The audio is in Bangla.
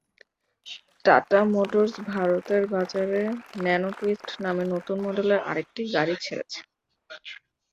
টাটা মোটরস ভারতের বাজারে ন্যানো টুইস্ট নামে নতুন মডেলের আরেকটি গাড়ি ছেড়েছে।